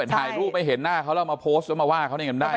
ถ่ายรูปให้เห็นหน้าเขาแล้วมาโพสต์แล้วมาว่าเขาเนี่ยกันได้